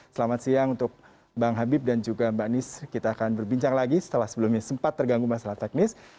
selamat siang untuk bang habib dan juga mbak nis kita akan berbincang lagi setelah sebelumnya sempat terganggu masalah teknis